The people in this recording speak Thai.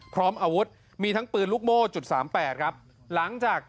พร้อมอาวุธมีทั้งปืนลูกโม่จุดสามแปดครับหลังจาก